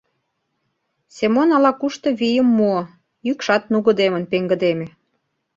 — Семон ала-кушто вийым муо, йӱкшат нугыдемын пеҥгыдеме.